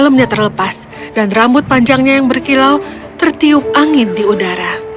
enamnya terlepas dan rambut panjangnya yang berkilau tertiup angin di udara